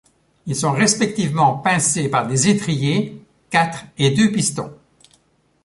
Ils sont respectivement pincés par des étriers quatre et deux pistons.